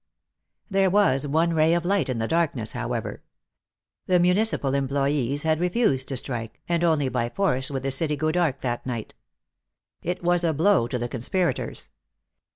There was one ray of light in the darkness, however. The municipal employees had refused to strike, and only by force would the city go dark that night. It was a blow to the conspirators.